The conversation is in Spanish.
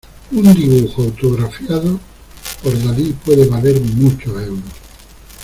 Un dibujo autografiado por Dalí puede valer muchos euros.